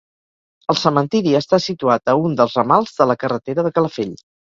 El cementiri està situat a un dels ramals de la carretera de Calafell.